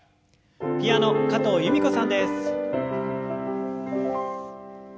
ピアノ加藤由美子さんです。